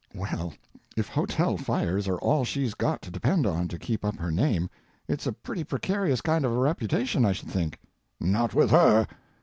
"Well, if hotel fires are all she's got to depend on to keep up her name, it's a pretty precarious kind of a reputation I should think." "Not with her.